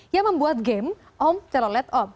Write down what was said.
yang membuat game om telolet om